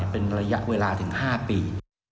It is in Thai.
เป็นระยะเวลาถึง๕ปี